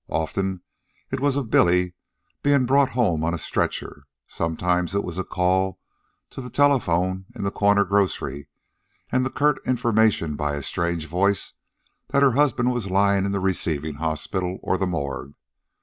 Oftenest, it was of Billy being brought home on a stretcher. Sometimes it was a call to the telephone in the corner grocery and the curt information by a strange voice that her husband was lying in the receiving hospital or the morgue.